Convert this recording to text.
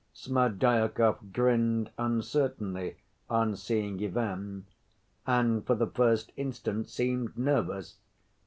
Smerdyakov grinned uncertainly on seeing Ivan, and for the first instant seemed nervous.